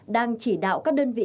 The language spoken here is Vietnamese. đang chỉ đạo các đơn vị